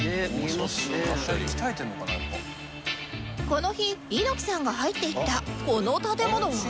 この日猪木さんが入っていったこの建物は？